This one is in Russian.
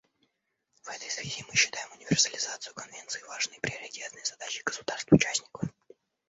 В этой связи мы считаем универсализацию Конвенции важной и приоритетной задачей государств-участников.